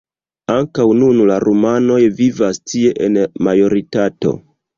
Ankaŭ nun la rumanoj vivas tie en majoritato.